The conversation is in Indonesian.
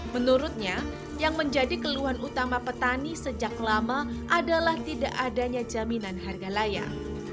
menurutnya yang menjadi keluhan utama petani sejak lama adalah tidak adanya jaminan harga layak